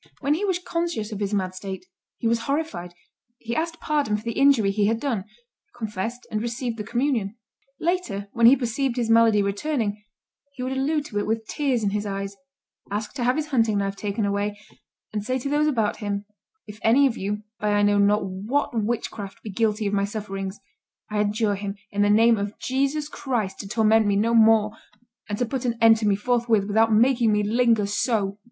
When he was conscious of his mad state, he was horrified; he asked pardon for the injury he had done, confessed and received the communion. Later, when he perceived his malady returning, he would allude to it with tears in his eyes, ask to have his hunting knife taken away, and say to those about him, "If any of you, by I know not what witchcraft, be guilty of my sufferings, I adjure him, in the name of Jesus Christ, to torment me no more, and to put an end to me forthwith without making me linger so."